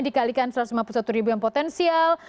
dikalikan satu ratus lima puluh satu ribu yang potensial